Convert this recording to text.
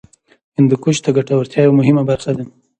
هندوکش د ګټورتیا یوه مهمه برخه ده.